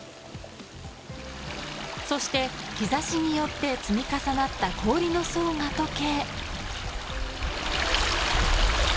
そして日差しによって積み重なった氷の層が溶け。